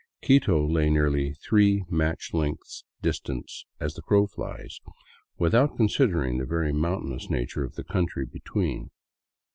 Quito lay nearly three match lengths distant " as the crow flies," without considering the very mountainous nature of the country between.